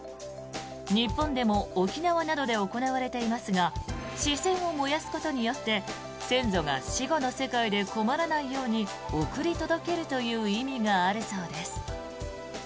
日本でも沖縄などで行われていますが紙銭を燃やすことによって先祖が死後の世界で困らないように送り届けるという意味があるそうです。